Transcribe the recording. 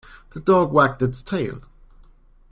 The dog wagged its tail.